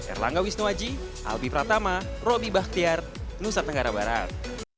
erlangga wisnuwaji albi pratama roby bahtiar nusa tenggara barat